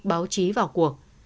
báo chí vào cuộc